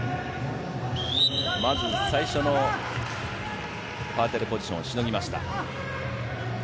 まず最初のパーテールポジションをしのぎました。